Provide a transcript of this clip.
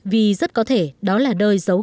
vì rất có thể đó là đời giấu